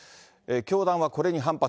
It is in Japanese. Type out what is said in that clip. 教団はこれに反発。